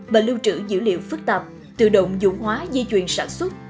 và lưu trữ dữ liệu phức tạp tự động dụng hóa di chuyển sản xuất